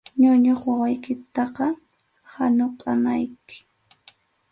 Ñuñuq wawaykita hanukʼanaykim.